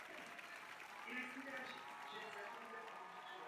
Zaměřoval se na do té doby neznámé zpracování odpadů podle vlastních patentů.